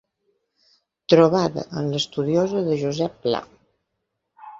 Trobada amb l'estudiosa de Josep Pla.